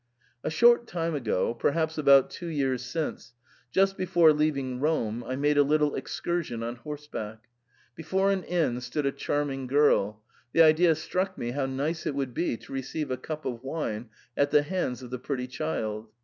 A short time ago, perhaps about two years since, just before leaving Rome, I made a little excursion on horseback. Before an inn stood a charming girl ; the idea struck me how nice it would be to receive a cup of wine at the hands of the pretty child.